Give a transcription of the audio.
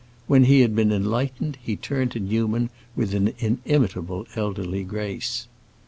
When he had been enlightened, he turned to Newman with an inimitable elderly grace.